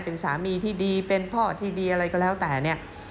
เป็นสามีที่ดีเป็นพ่อที่ดีอะไรก็แล้วแต่เนี่ย